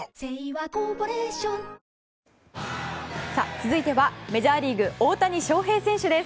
続いてはメジャーリーグ大谷翔平選手です。